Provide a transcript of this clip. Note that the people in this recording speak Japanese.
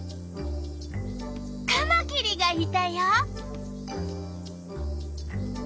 カマキリがいたよ。